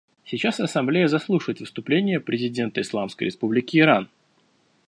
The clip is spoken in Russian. Сейчас Ассамблея заслушает выступление президента Исламской Республики Иран.